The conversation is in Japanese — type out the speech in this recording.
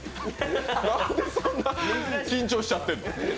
なんで、そんな緊張しちゃってんの？